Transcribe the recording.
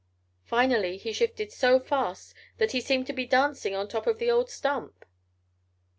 Finally he shifted so fast that he seemed to be dancing on top of the old stump.